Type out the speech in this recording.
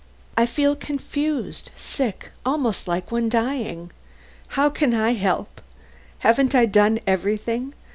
"I feel confused, sick, almost like one dying. How can I help? Haven't I done everything?